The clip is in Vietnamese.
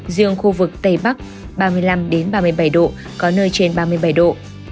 riêng khu vực tây bắc ba mươi năm ba mươi bảy độ có nơi trên ba mươi bảy độ